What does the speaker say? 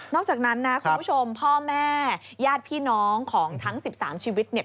อกจากนั้นนะคุณผู้ชมพ่อแม่ญาติพี่น้องของทั้ง๑๓ชีวิตเนี่ย